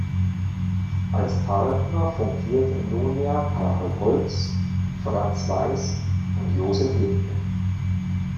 Als Partner fungierten nunmehr Karl Holz, Franz Weiß und Joseph Linke.